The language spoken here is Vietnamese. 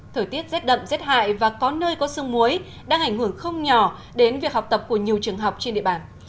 thời tiết rét đậm rét hại và có nơi có sương muối đang ảnh hưởng không nhỏ đến việc học tập của nhiều trường học trên địa bàn